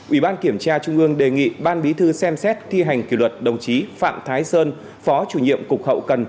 ubkt đề nghị ban bí thư xem xét thi hành kỷ luật đồng chí phạm thái sơn phó chủ nhiệm cục hậu cần